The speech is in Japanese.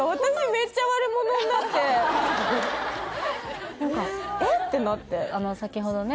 めっちゃ悪者になって何か「えっ？」ってなって先ほどね